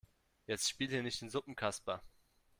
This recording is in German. Jetzt spiel hier nicht den Suppenkasper.